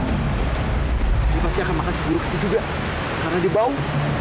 dia pasti akan makan si buruk itu juga karena dia bangun